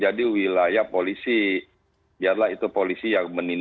ada teguran ada pengetian sementara dan ada pencabutan izin